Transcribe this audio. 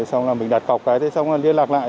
xong rồi mình đặt cọc cái xong rồi liên lạc lại